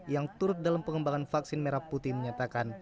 yang turut dalam pengembangan vaksin merah putih menyatakan